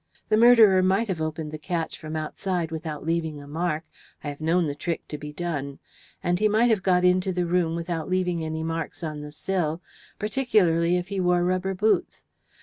The murderer might have opened the catch from outside without leaving a mark I have known the trick to be done and he might have got into the room without leaving any marks on the sill, particularly if he wore rubber boots.